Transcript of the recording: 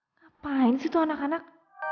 ngapain sih tuh anak anak